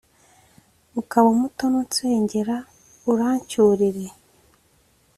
ukaba umutoni unsengera urancyurire.